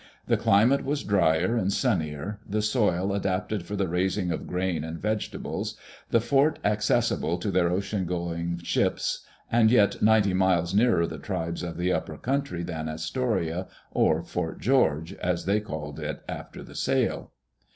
The climate was drier and sunnier, the soil adapted for the raising of grain and vegetables, the fort accessible to their ocean going ships and yet ninety miles nearer the tribes of the upper country than Astoria, or Fort George, as they called it after the sale.